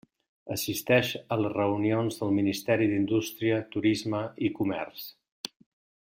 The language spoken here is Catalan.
Assisteix a les reunions del Ministeri d'Indústria, Turisme i Comerç.